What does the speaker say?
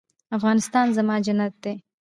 افغانستان زما جنت دی